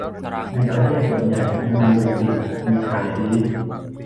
ในประเทศส่วนใหญ่น้ำมันเบนซินมีขายเป็นลิตร